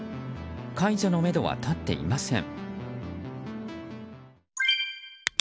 解除のめどは立っていません。